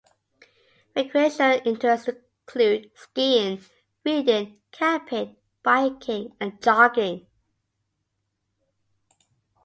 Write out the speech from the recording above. Recreational interests include skiing, reading, camping, biking, and jogging.